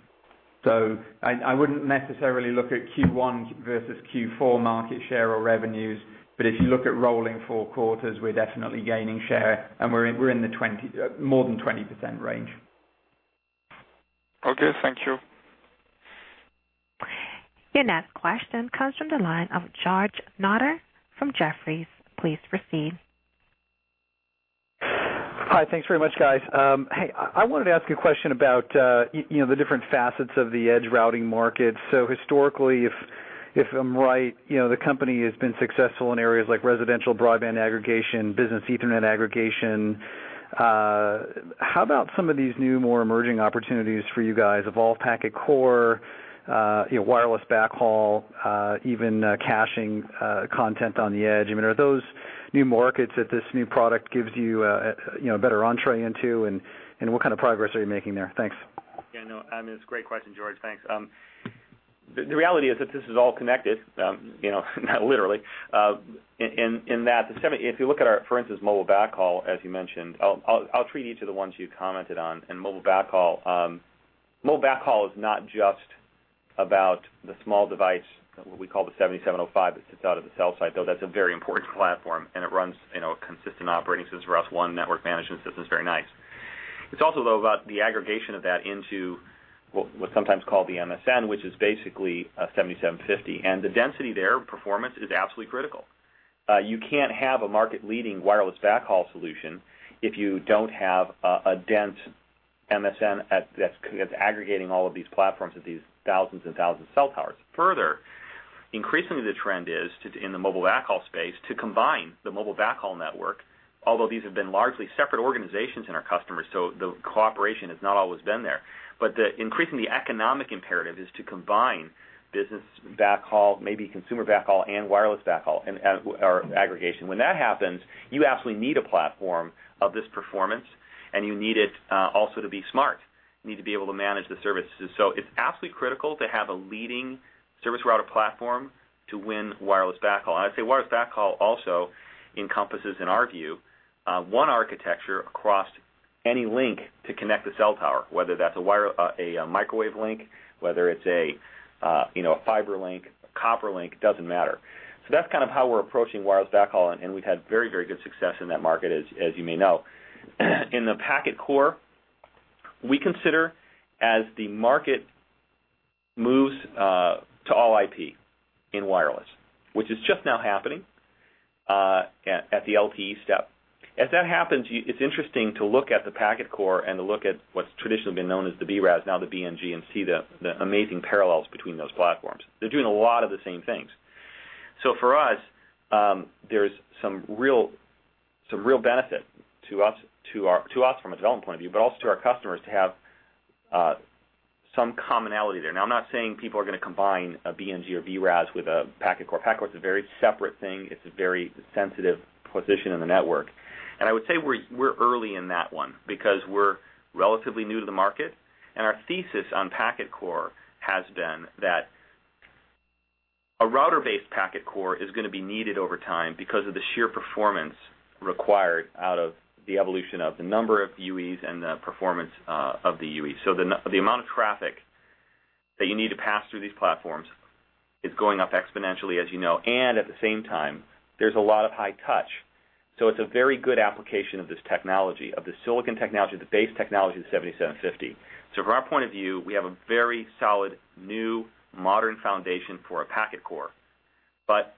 I wouldn't necessarily look at Q1 versus Q4 market share or revenues, but if you look at rolling four quarters, we're definitely gaining share and we're in the more than 20% range. Okay, thank you. Your next question comes from the line of George Notter from Jefferies. Please proceed. Hi, thanks very much, guys. I wanted to ask a question about the different facets of the edge routing market. Historically, if I'm right, the company has been successful in areas like residential broadband aggregation, business Ethernet aggregation. How about some of these new, more emerging opportunities for you guys? Evolved packet core, wireless backhaul, even caching content on the edge. Are those new markets that this new product gives you a better entry into? What kind of progress are you making there? Thanks. Yeah, no, I mean, it's a great question, George. Thanks. The reality is that this is all connected, you know, not literally. In that, if you look at our, for instance, mobile backhaul, as you mentioned, I'll treat each of the ones you commented on. Mobile backhaul is not just about the small device, what we call the 7,705 that sits out at the cell site, though that's a very important platform and it runs a consistent operating system for us, one network management system. It's very nice. It's also about the aggregation of that into what's sometimes called the MSN, which is basically a 7,750. The density there, performance, is absolutely critical. You can't have a market-leading wireless backhaul solution if you don't have a dense MSN that's aggregating all of these platforms at these thousands and thousands of cell towers. Further, increasingly, the trend is in the mobile backhaul space to combine the mobile backhaul network, although these have been largely separate organizations in our customers. The cooperation has not always been there. Increasingly, the economic imperative is to combine business backhaul, maybe consumer backhaul, and wireless backhaul and aggregation. When that happens, you absolutely need a platform of this performance, and you need it also to be smart. You need to be able to manage the services. It's absolutely critical to have a leading service router platform to win wireless backhaul. I'd say wireless backhaul also encompasses, in our view, one architecture across any link to connect the cell tower, whether that's a microwave link, whether it's a fiber link, a copper link, it doesn't matter. That's kind of how we're approaching wireless backhaul, and we've had very, very good success in that market, as you may know. In the packet core, we consider as the market moves to all IP in wireless, which is just now happening at the LTE step. As that happens, it's interesting to look at the packet core and to look at what's traditionally been known as the [BRAS], now the BNG, and see the amazing parallels between those platforms. They're doing a lot of the same things. For us, there's some real benefit to us from a development point of view, but also to our customers to have some commonality there. Now, I'm not saying people are going to combine a BNG or BRAS with a packet core. Packet core is a very separate thing. It's a very sensitive position in the network. I would say we're early in that one because we're relatively new to the market. Our thesis on packet core has been that a router-based packet core is going to be needed over time because of the sheer performance required out of the evolution of the number of UEs and the performance of the UEs. The amount of traffic that you need to pass through these platforms is going up exponentially, as you know. At the same time, there's a lot of high touch. It's a very good application of this technology, of the silicon technology, the base technology of the 7,750. From our point of view, we have a very solid new modern foundation for a packet core.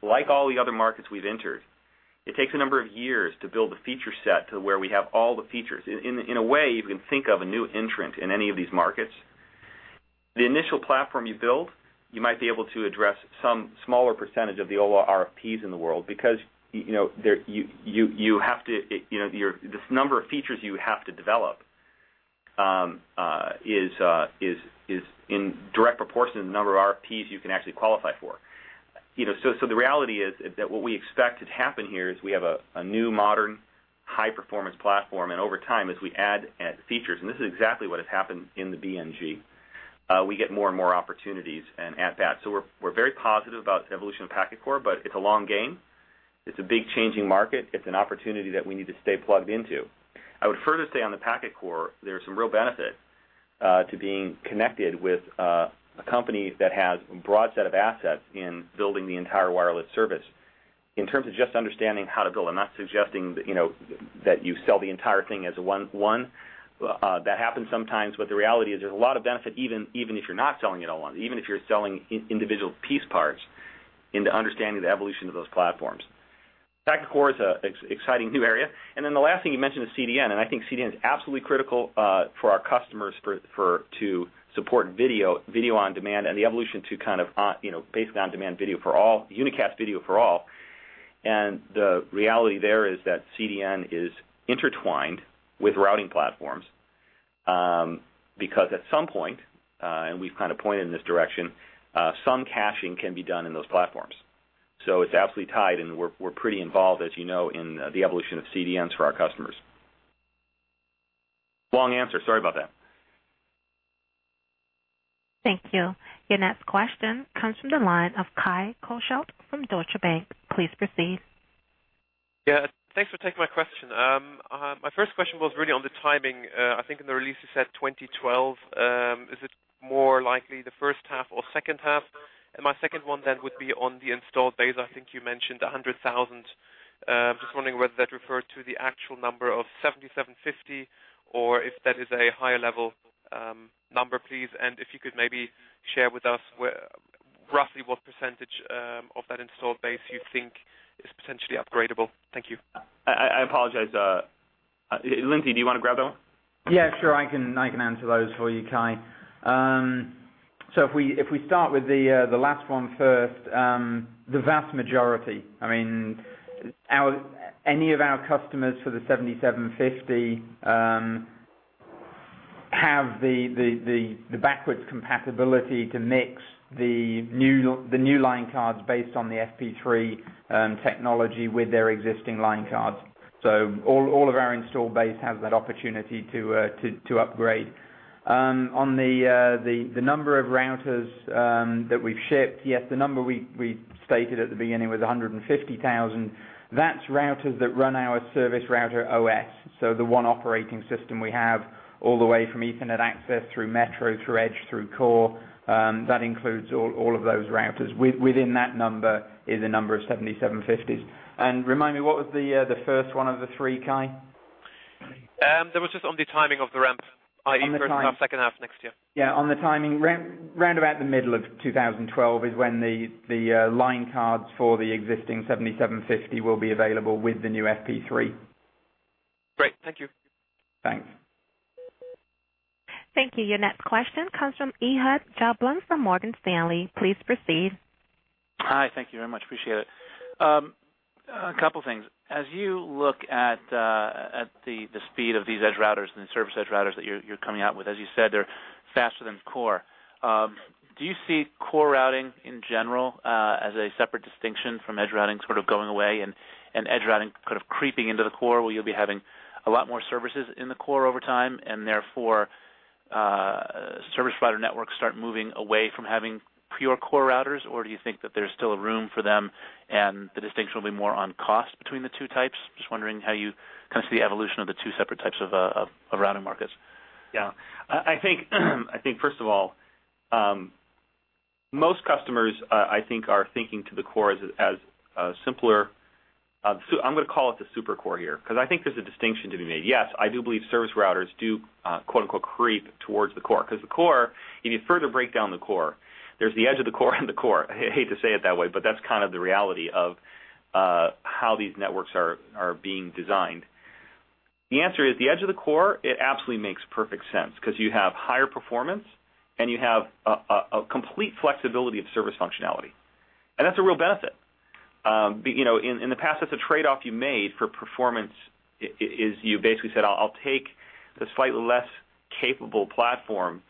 Like all the other markets we've entered, it takes a number of years to build a feature set to where we have all the features. In a way, you can think of a new entrant in any of these markets. The initial platform you build, you might be able to address some smaller percentage of the overall RFPs in the world because this number of features you have to develop is in direct proportion to the number of RFPs you can actually qualify for. The reality is that what we expect to happen here is we have a new modern high-performance platform. Over time, as we add features, and this is exactly what has happened in the BNG, we get more and more opportunities and at-bats. We're very positive about the evolution of packet core, but it's a long game. It's a big changing market. It's an opportunity that we need to stay plugged into. I would further say on the packet core, there's some real benefit to being connected with a company that has a broad set of assets in building the entire wireless service. In terms of just understanding how to build, I'm not suggesting that you sell the entire thing as one. That happens sometimes, but the reality is there's a lot of benefit even if you're not selling it all on, even if you're selling individual piece parts into understanding the evolution of those platforms. Packet core is an exciting new area. The last thing you mentioned is CDN, and I think CDN is absolutely critical for our customers to support video on demand and the evolution to basically on-demand video for all, unicast video for all. The reality there is that CDN is intertwined with routing platforms because at some point, and we've kind of pointed in this direction, some caching can be done in those platforms. It is absolutely tied, and we're pretty involved, as you know, in the evolution of CDNs for our customers. Long answer. Sorry about that. Thank you. Your next question comes from the line of Kai Korschelt from Deutsche Bank. Please proceed. Yeah, thanks for taking my question. My first question was really on the timing. I think in the release you said 2012. Is it more likely the first half or second half? My second one would be on the installed base. I think you mentioned 100,000. I'm just wondering whether that referred to the actual number of 7,750, or if that is a higher level number, please. If you could maybe share with us roughly what percentage of that installed base you think is potentially upgradable. Thank you. I apologize. Lindsay, do you want to grab that one? Yeah, sure. I can answer those for you, Kai. If we start with the last one first, the vast majority, I mean, any of our customers for the 7,750 have the backwards compatibility to mix the new line cards based on the FP3 technology with their existing line cards. All of our installed base has that opportunity to upgrade. On the number of routers that we've shipped, yes, the number we stated at the beginning was 150,000. That's routers that run our Service Router OS, so the one operating system we have all the way from Ethernet access through metro, through edge, through core. That includes all of those routers. Within that number is a number of 7,750. Remind me, what was the first one of the three, Kai? That was just on the timing of the ramp, i.e., first half, second half next year. Yeah, on the timing, round about the middle of 2012 is when the line cards for the existing 7,750 Service Router will be available with the new FP3. Great. Thank you. Thanks. Thank you. Your next question comes from Ehud Gelblum from Morgan Stanley. Please proceed. Hi, thank you very much. Appreciate it. A couple of things. As you look at the speed of these edge routers and the service edge routers that you're coming out with, as you said, they're faster than core. Do you see core routing in general as a separate distinction from edge routing sort of going away and edge routing kind of creeping into the core where you'll be having a lot more services in the core over time and therefore service provider networks start moving away from having pure core routers, or do you think that there's still a room for them and the distinction will be more on cost between the two types? Just wondering how you kind of see the evolution of the two separate types of routing markets. Yeah, I think first of all, most customers, I think, are thinking to the core as a simpler, I'm going to call it the super core here because I think there's a distinction to be made. Yes, I do believe service routers do "creep" towards the core because the core, if you further break down the core, there's the edge of the core and the core. I hate to say it that way, but that's kind of the reality of how these networks are being designed. The answer is the edge of the core, it absolutely makes perfect sense because you have higher performance and you have a complete flexibility of service functionality. That's a real benefit. In the past, that's a trade-off you made for performance is you basically said, "I'll take the slightly less capable platform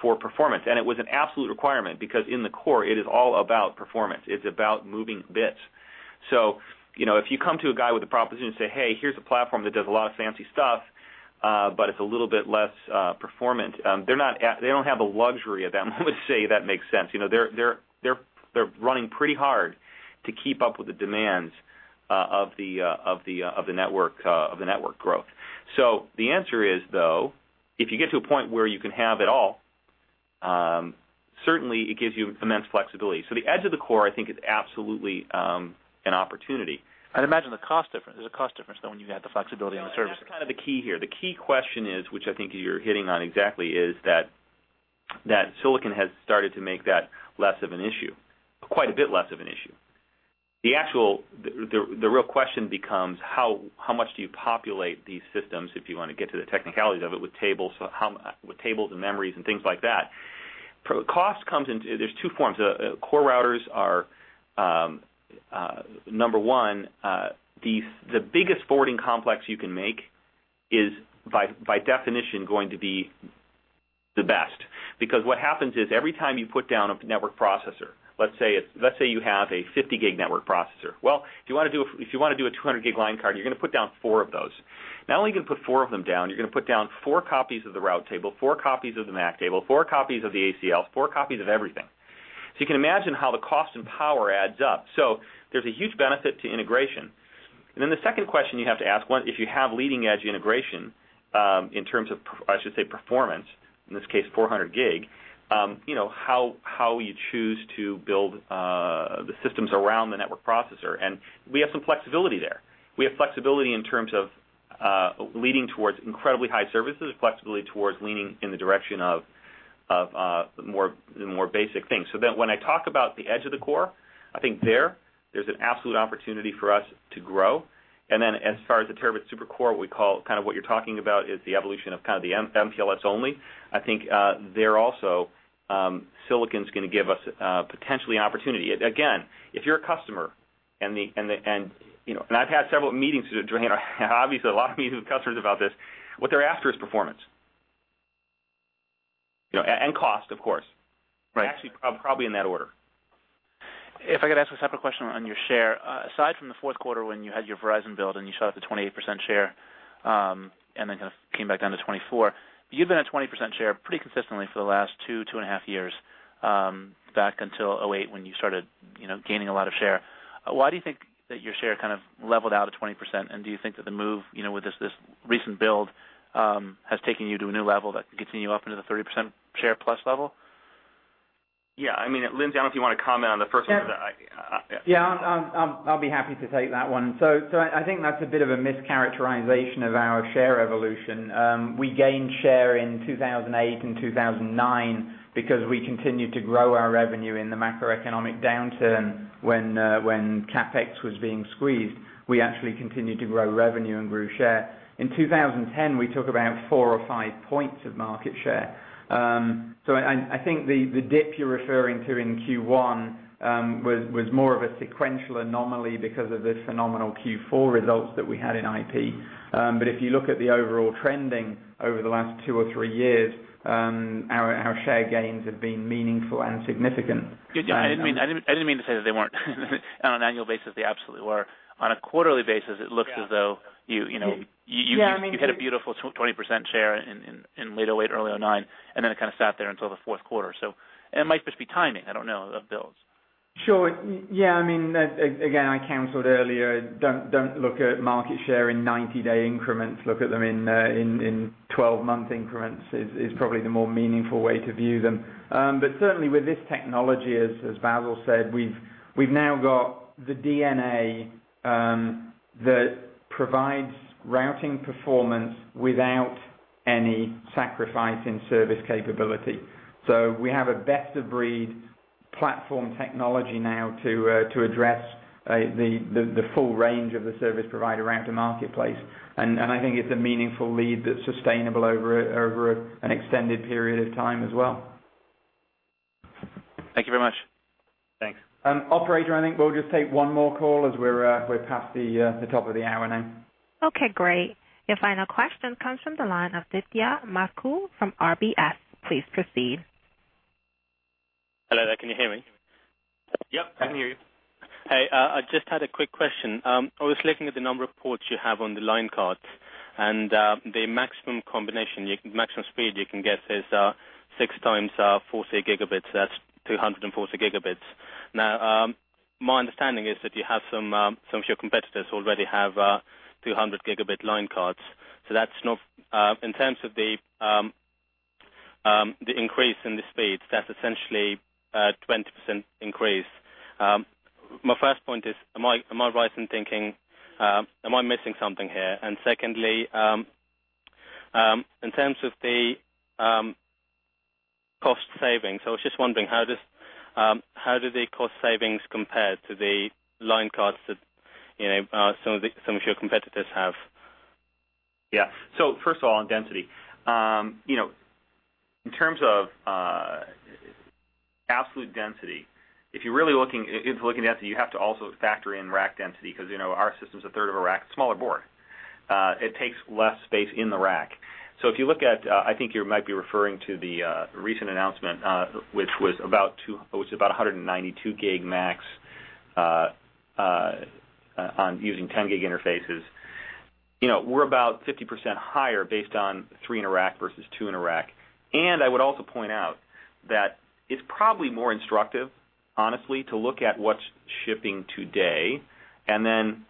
for performance." It was an absolute requirement because in the core, it is all about performance. It's about moving bits. If you come to a guy with a proposition and say, "Hey, here's a platform that does a lot of fancy stuff, but it's a little bit less performant," they don't have the luxury of that. I would say that makes sense. They're running pretty hard to keep up with the demands of the network growth. The answer is, though, if you get to a point where you can have it all, certainly it gives you immense flexibility. The edge of the core, I think, is absolutely an opportunity. I'd imagine the cost difference. There's a cost difference, though, when you add the flexibility on the service. That's kind of the key here. The key question is, which I think you're hitting on exactly, is that silicon has started to make that less of an issue, quite a bit less of an issue. The real question becomes how much do you populate these systems if you want to get to the technicalities of it with tables and memories and things like that. Cost comes into... There's two forms. Core routers are, number one, the biggest forwarding complex you can make is by definition going to be the best because what happens is every time you put down a network processor, let's say you have a 50 Gb network processor. If you want to do a 200 Gb line card, you're going to put down four of those. Not only are you going to put four of them down, you're going to put down four copies of the route table, four copies of the MAC table, four copies of the ACLs, four copies of everything. You can imagine how the cost and power adds up. There's a huge benefit to integration. The second question you have to ask, if you have leading edge integration in terms of, I should say, performance, in this case, 400 Gb, how will you choose to build the systems around the network processor? We have some flexibility there. We have flexibility in terms of leading towards incredibly high services, flexibility towards leaning in the direction of the more basic things. When I talk about the edge of the core, I think there's an absolute opportunity for us to grow. As far as the terabit super core, what we call kind of what you're talking about is the evolution of kind of the MPLS only. I think there also silicon is going to give us potentially an opportunity. If you're a customer, and I've had several meetings with Johanna, obviously a lot of meetings with customers about this, what they're after is performance and cost, of course. Actually, probably in that order. If I could ask a separate question on your share, aside from the fourth quarter when you had your Verizon build and you shot up to 28% share and then kind of came back down to 24%, you'd been at 20% share pretty consistently for the last two, two and a half years, back until 2008 when you started gaining a lot of share. Why do you think that your share kind of leveled out at 20%? Do you think that the move with this recent build has taken you to a new level that can continue up into the 30% share plus level? Yeah, I mean, Lindsay, I don't know if you want to comment on the first one. Yeah, I'll be happy to take that one. I think that's a bit of a mischaracterization of our share evolution. We gained share in 2008 and 2009 because we continued to grow our revenue in the macroeconomic downturn when CapEx was being squeezed. We actually continued to grow revenue and grew share. In 2010, we took about 4 points or 5 points of market share. I think the dip you're referring to in Q1 was more of a sequential anomaly because of the phenomenal Q4 results that we had in IP. If you look at the overall trending over the last 2 years or 3 years, our share gains have been meaningful and significant. I didn't mean to say that they weren't. On an annual basis, they absolutely were. On a quarterly basis, it looks as though you had a beautiful 20% share in late 2008, early 2009, and then it kind of sat there until the fourth quarter. It might just be timing. I don't know. Sure. Yeah, I mean, again, I counseled earlier, don't look at market share in 90-day increments. Look at them in 12-month increments, which is probably the more meaningful way to view them. Certainly, with this technology, as Basil Owen said, we've now got the DNA that provides routing performance without any sacrifice in service capability. We have a best-of-breed platform technology now to address the full range of the service provider around the marketplace. I think it's a meaningful lead that's sustainable over an extended period of time as well. Thank you very much. Thanks. Operator, I think we'll just take one more call as we're past the top of the hour now. Okay, great. Your final question comes from the line of Divya Mathur from RBS. Please proceed. Hello there. Can you hear me? Yep, I can hear you. Hey, I just had a quick question. I was looking at the number of ports you have on the line cards, and the maximum combination, the maximum speed you can get is 6 Gb x 40 Gb. That's 240 Gb. My understanding is that you have some of your competitors already have 200 Gb line cards. That's not, in terms of the increase in the speeds, that's essentially a 20% increase. My first point is, am I right in thinking, am I missing something here? Secondly, in terms of the cost savings, I was just wondering, how do the cost savings compare to the line cards that some of your competitors have? Yeah. First of all, on density, in terms of absolute density, if you're really looking at density, you have to also factor in rack density because our system's a third of a rack, a smaller board. It takes less space in the rack. If you look at, I think you might be referring to the recent announcement, which was about 192 Gb max on using 10 Gb interfaces. We're about 50% higher based on three in a rack versus two in a rack. I would also point out that it's probably more instructive, honestly, to look at what's shipping today and then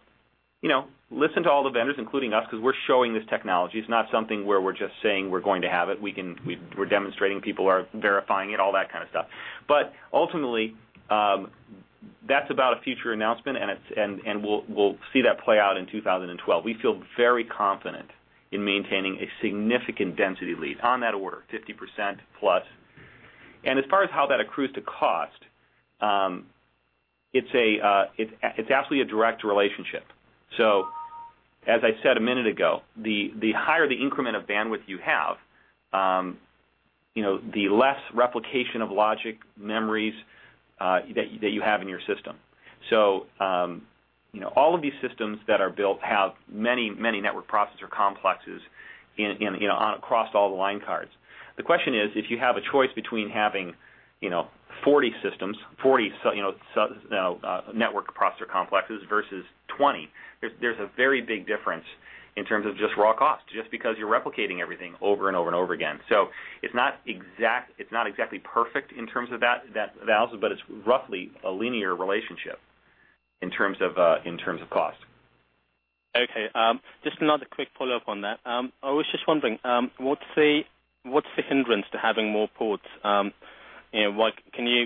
listen to all the vendors, including us, because we're showing this technology. It's not something where we're just saying we're going to have it. We're demonstrating, people are verifying it, all that kind of stuff. Ultimately, that's about a future announcement, and we'll see that play out in 2012. We feel very confident in maintaining a significant density lead on that order, 50%+. As far as how that accrues to cost, it's absolutely a direct relationship. As I said a minute ago, the higher the increment of bandwidth you have, the less replication of logic memories that you have in your system. All of these systems that are built have many, many network processor complexes across all the line cards. The question is, if you have a choice between having 40 systems, 40 network processor complexes versus 20, there's a very big difference in terms of just raw cost, just because you're replicating everything over and over and over again. It's not exactly perfect in terms of that, but it's roughly a linear relationship in terms of cost. Okay. Just another quick follow-up on that. I was just wondering, what's the hindrance to having more ports? Can you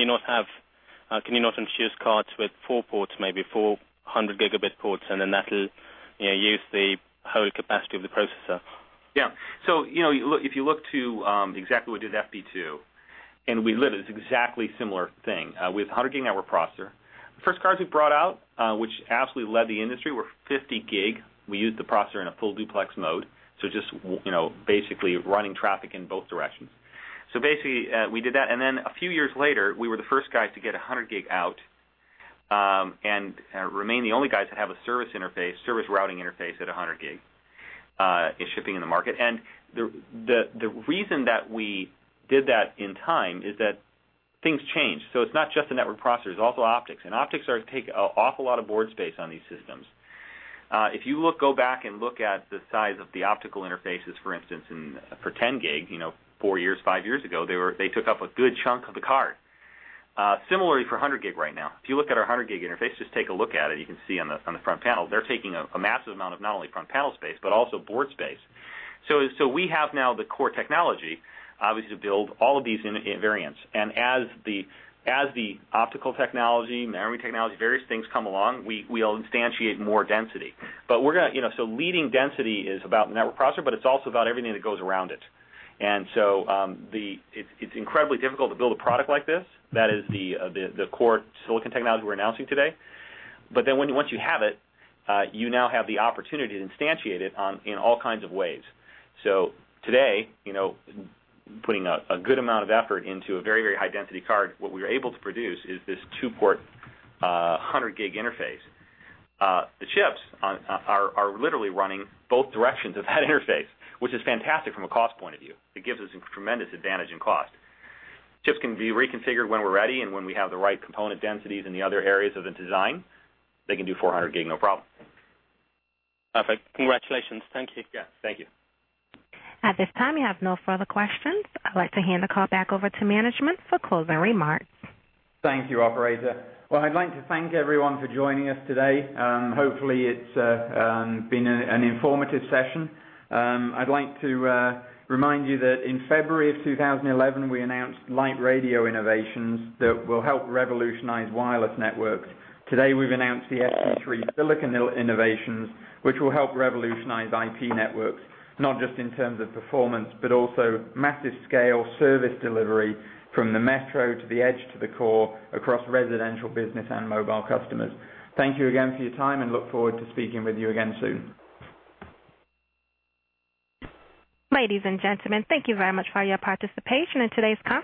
not choose cards with four ports, maybe 400-Gb ports, and then that'll use the whole capacity of the processor? Yeah. If you look to exactly what we did with FP2, we lived as an exactly similar thing with 100 Gb network processor. The first cards we brought out, which absolutely led the industry, were 50 Gb. We used the processor in a full duplex mode, just basically running traffic in both directions. We did that. A few years later, we were the first guys to get 100 Gb out and remain the only guys that have a service interface, service routing interface at 100 Gb shipping in the market. The reason that we did that in time is that things change. It's not just the network processor. It's also optics. Optics take an awful lot of board space on these systems. If you go back and look at the size of the optical interfaces, for instance, for 10 Gb, four years, five years ago, they took up a good chunk of the card. Similarly, for 100 Gb right now, if you look at our 100 Gb interface, just take a look at it. You can see on the front panel, they're taking a massive amount of not only front panel space, but also board space. We have now the core technology, obviously, to build all of these variants. As the optical technology, memory technology, various things come along, we'll instantiate more density. Leading density is about network processor, but it's also about everything that goes around it. It's incredibly difficult to build a product like this. That is the core silicon technology we're announcing today. Once you have it, you now have the opportunity to instantiate it in all kinds of ways. Today, putting a good amount of effort into a very, very high density card, what we were able to produce is this two-port 100 Gb interface. The chips are literally running both directions of that interface, which is fantastic from a cost point of view. It gives us a tremendous advantage in cost. Chips can be reconfigured when we're ready and when we have the right component densities and the other areas of the design, they can do 400 Gb, no problem. Perfect. Congratulations. Thank you. Thank you. At this time, we have no further questions. I'd like to hand the call back over to management for closing remarks. Thank you, operator. I'd like to thank everyone for joining us today. Hopefully, it's been an informative session. I'd like to remind you that in February 2011, we announced light radio innovations that will help revolutionize wireless networks. Today, we've announced the FP3 silicon innovations, which will help revolutionize IP networks, not just in terms of performance, but also massive scale service delivery from the metro to the edge to the core across residential, business, and mobile customers. Thank you again for your time and look forward to speaking with you again soon. Ladies and gentlemen, thank you very much for your participation in today's conversation.